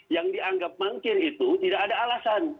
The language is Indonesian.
yang dianggap mangkir itu tidak ada alasan